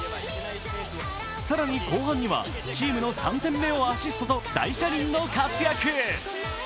更に後半にはチームの３点目をアシストと大車輪の活躍。